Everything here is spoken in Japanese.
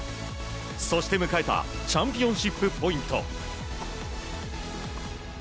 そして迎えたチャンピオンシップポイント。